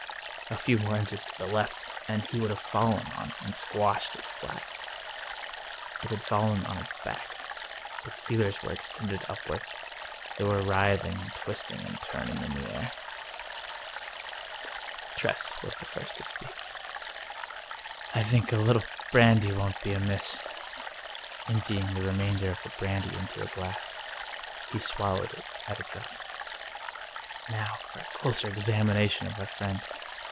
A few more inches to the left, and he would have fallen on and squashed it flat. It had fallen on its back. Its feelers were extended upward. They were writhing and twisting and turning in the air. Tress was the first to speak. " I think a little brandy won't be amiss." Emptying the remainder of the brandy into a glass, he swallowed it at a draught. " Now for a closer examination of our friend."